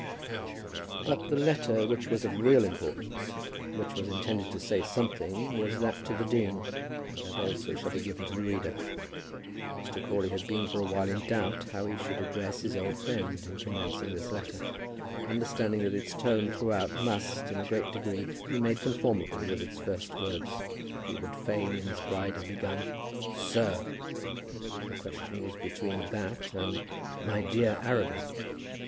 But the letter which was of real importance, which was intended to say something, was that to the dean, and that also shall be given to the reader. Mr. Crawley had been for a while in doubt how he should address his old friend in commencing this letter, understanding that its tone throughout must, in a great degree, be made conformable with its first words. He would fain, in his pride, have begun "Sir." The question was between that and "My dear Arabin."